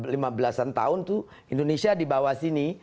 lima belasan tahun itu indonesia di bawah sini